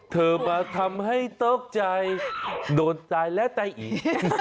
เธอมาทำให้ตกใจโดนตายแล้วตายอีก